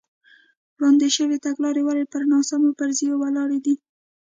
وړاندې شوې تګلارې ولې پر ناسمو فرضیو ولاړې دي.